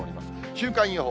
週間予報。